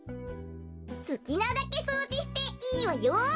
すきなだけそうじしていいわよ。